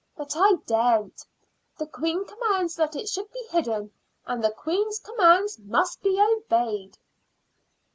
But I daren't. The queen commands that it should be hidden, and the queen's commands must be obeyed."